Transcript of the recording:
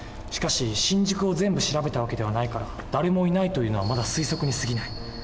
しかし新宿を全部調べた訳ではないから誰もいないというのはまだ推測にすぎない。